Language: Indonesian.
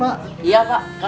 iya pak kapan pak